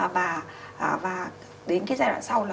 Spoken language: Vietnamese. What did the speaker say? và đến cái giai đoạn sau là